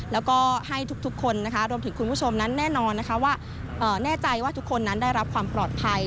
และให้ทุกคนรวมถึงคุณผู้ชมนั้นแน่นอนแน่ใจว่าทุกคนได้รับความปลอดภัย